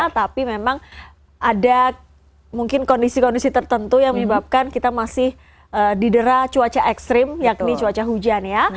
tapi memang ada mungkin kondisi kondisi tertentu yang menyebabkan kita masih didera cuaca ekstrim yakni cuaca hujan ya